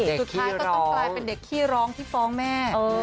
สุดท้ายก็ต้องกลายเป็นเด็กขี้ร้องที่ฟ้องแม่